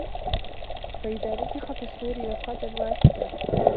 فَإِذا نُفِخَ فِي الصّورِ نَفخَةٌ واحِدَةٌ